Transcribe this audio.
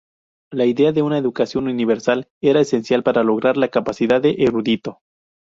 La idea de una educación universal era esencial para lograr la capacidad de erudito.